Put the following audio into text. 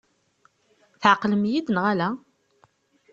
Tɛeqlem-iyi-d neɣ ala?